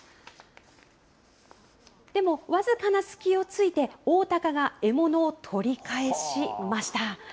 でも、僅かな隙をついて、オオタカが獲物を取り返しました。